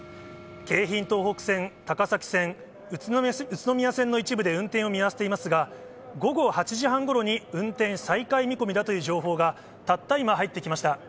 京浜東北線、高崎線、宇都宮線の一部で運転を見合わせていますが、午後８時半ごろに運転再開見込みだという情報が、たった今入ってきました。